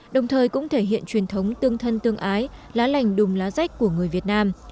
đồng thời cũng thể hiện truyền thống tương thân tương ái lá lành đùm lá rách của người việt nam